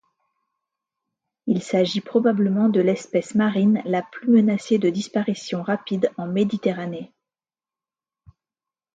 Il s’agit probablement de l’espèce marine la plus menacée de disparition rapide en Méditerranée.